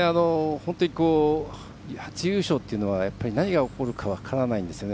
本当に初優勝というのは何が起こるか分からないんですよね。